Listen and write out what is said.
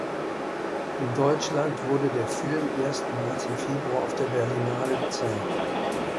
In Deutschland wurde der Film erstmals im Februar auf der Berlinale gezeigt.